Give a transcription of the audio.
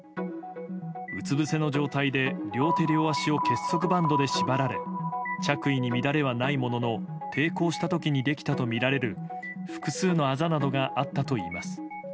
うつ伏せの状態で両手両足を結束バンドで縛られ着衣に乱れはないものの抵抗した時にできたとみられる複数のあざなどがあったといいます。